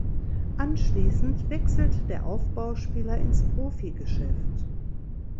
Anschließend wechselte der Aufbauspieler ins Profigeschäft.